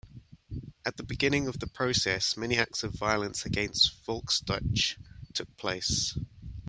At the beginning of the process, many acts of violence against Volksdeutsche took place.